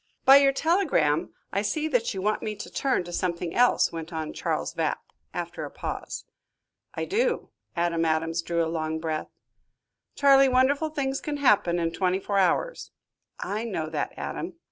"By your telegram I see that you want me to turn to something else," went on Charles Vapp, after a pause. "I do." Adam Adams drew a long breath. "Charley, wonderful things can happen in twenty four hours." "I know that, Adam."